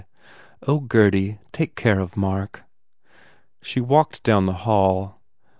Oh, Gurdy, take care of Mark!" She walked down the hall.